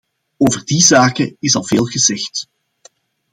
Over die zaken is al veel gezegd.